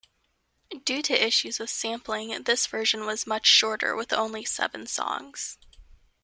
Due to issues with sampling, this version was much shorter with only seven songs.